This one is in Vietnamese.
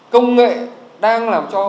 công nghệ đang làm cho